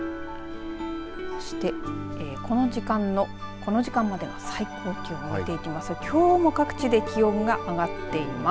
そしてこの時間までの最高気温見ていきますときょうも各地で気温が上がっています。